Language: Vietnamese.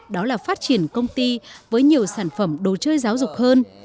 đó là phát triển công ty với nhiều sản phẩm đồ chơi giáo dục hơn